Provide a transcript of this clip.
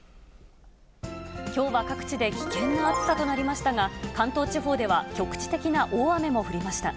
きょうは各地で危険な暑さとなりましたが、関東地方では局地的な大雨も降りました。